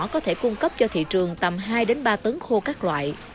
có thể cung cấp cho thị trường tầm hai ba tấn khô các loại